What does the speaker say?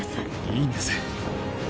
いいんです。